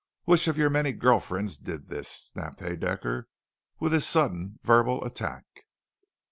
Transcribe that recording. Which of your many girl friends did this?" snapped Haedaecker with his sudden verbal attack.